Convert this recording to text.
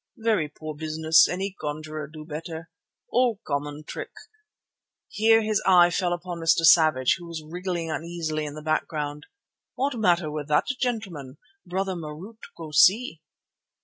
Very poor business, any conjurer do better. All common trick"—here his eye fell upon Mr. Savage who was wriggling uneasily in the background. "What matter with that gentleman? Brother Marût, go see."